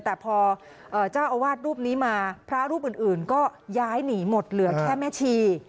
แต่พอเจ้าอาวาสรูปนี้มาพระรูปอื่นก็ย้ายหนีหมดเหลือแค่แม่ชี